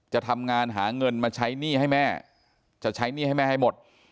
จะทำงานหาเงินมาใช้หนี้ให้แม่จะใช้หนี้ให้แม่ให้หมด